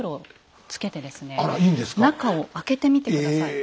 中を開けてみて下さい。